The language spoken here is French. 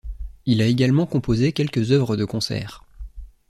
Il a également composé quelques œuvres de concert.